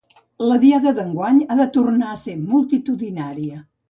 La diada d’enguany ha tornat a ésser multitudinària.